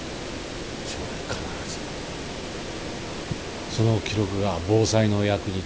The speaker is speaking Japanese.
将来必ずその記録が防災の役に立つだろう。